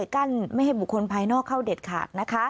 กั้นไม่ให้บุคคลภายนอกเข้าเด็ดขาดนะคะ